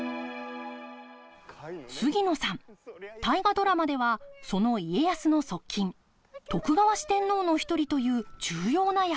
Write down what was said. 杉野さん「大河ドラマ」ではその家康の側近徳川四天王の一人という重要な役どころです。